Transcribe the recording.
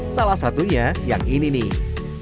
salah satunya yang ini nih